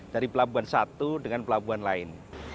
dari pelabuhan satu dengan pelabuhan lain